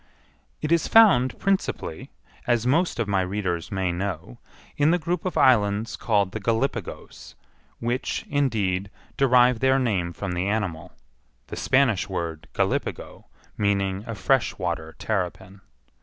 It is found principally, as most of my readers may know, in the group of islands called the Gallipagos, which, indeed, derive their name from the animal—the Spanish word Gallipago meaning a fresh water terrapin.